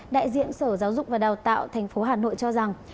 đại diện sở giáo dục và đào tạo tp hà nội cho rằng